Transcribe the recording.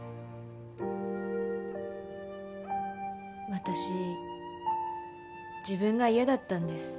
私自分が嫌だったんです。